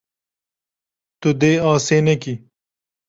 Tu dê asê nekî.